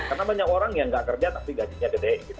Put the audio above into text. karena banyak orang yang gak kerja tapi gajinya gede